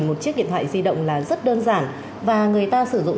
một chiếc điện thoại di động là rất đơn giản và người ta sử dụng